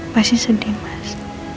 pasti sedih mas